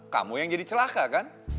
kamu yang jadi celaka kan